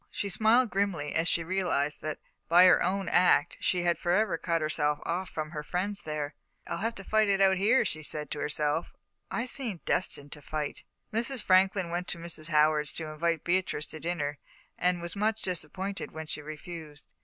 She smiled grimly as she realised that, by her own act, she had forever cut herself off from her friends there. "I'll have to fight it out here," she said to herself; "I seem destined to fight." Mrs. Franklin went to Mrs. Howard's to invite Beatrice to dinner, and was much disappointed when she refused.